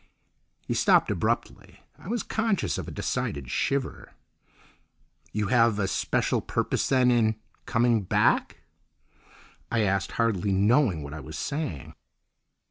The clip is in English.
He stopped abruptly. I was conscious of a decided shiver. "You have a special purpose then—in coming back?" I asked, hardly knowing what I was saying.